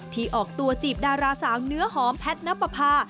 ที่ออกตัวจีบดาราสาวเนื้อหอมแพทย์ณปภา